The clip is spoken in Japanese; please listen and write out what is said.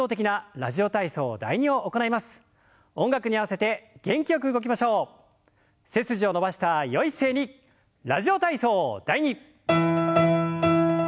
「ラジオ体操第２」。